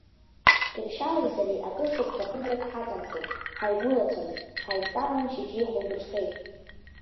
Кьыршьали сареи акыршықәса хыбрак ҳаҵанхон, ҳаигәылацәан, ҳаидтәалан шьыжьи хәылбыҽхеи.